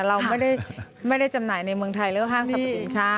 เราไม่ได้จำหน่ายในเมืองไทยเรื่องห้างสรรพสินค้า